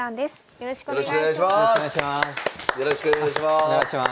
よろしくお願いします。